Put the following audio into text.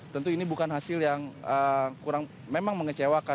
tentu ini bukan hasil yang kurang memang mengecewakan